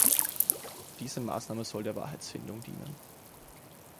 Diese Maßnahme soll der Wahrheitsfindung dienen.